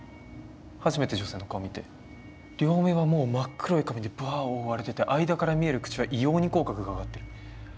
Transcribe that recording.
初めて女性の顔見て両目はもう真っ黒い髪でブワッ覆われてて間から見える口は異様に口角が上がってる。